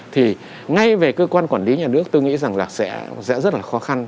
thì ngay về cơ quan quản lý nhà nước tôi nghĩ rằng là sẽ rất là khó khăn